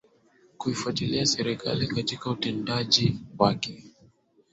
kuifuatilia serikali katika utendaji wake